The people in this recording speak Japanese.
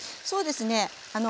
そうですね。